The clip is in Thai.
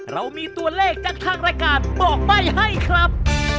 เรามีตัวเลขจากทางรายการบอกใบ้ให้ครับ